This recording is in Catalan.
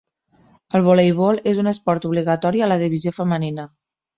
El voleibol és un esport obligatori a la divisió femenina.